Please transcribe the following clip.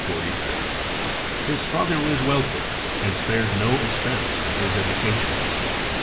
His father was wealthy and spared no expense on his education.